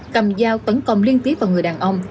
cầm dao tấn công liên tiếp vào người đàn ông